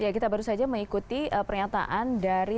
kita baru saja mengikuti pernyataan dari